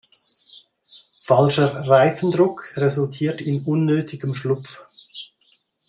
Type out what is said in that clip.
Falscher Reifendruck resultiert in unnötigem Schlupf.